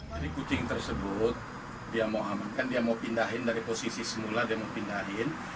jadi kucing tersebut dia mau amankan dia mau pindahin dari posisi semula dia mau pindahin